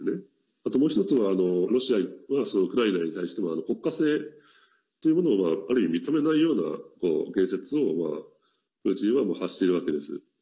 あと、もう１つはロシアはウクライナに対しても国家性というものをある意味、認めないような言説をプーチンは発しているわけです。